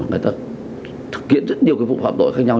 người ta thực hiện rất nhiều phụ phạm tội khác nhau